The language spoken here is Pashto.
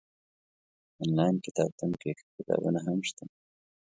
انلاين کتابتون کي ښه کتابونه هم شته